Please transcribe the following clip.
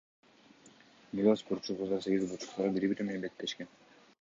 Мурда спортчу кыздар сегиз бурчтукта бири бири менен беттешкен.